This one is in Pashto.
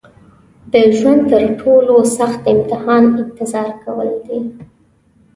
د ژوند تر ټولو سخت امتحان انتظار کول دي.